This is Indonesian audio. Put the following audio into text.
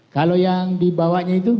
kalau yang dibawanya itu